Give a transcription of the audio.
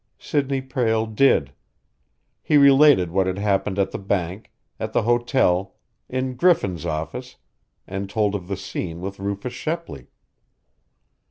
Sidney Prale did. He related what had happened at the bank, at the hotel, in Griffin's office, and told of the scene with Rufus Shepley.